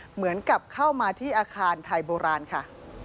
เหมือนกับเข้ามาที่อาคารไทยโบราณค่ะ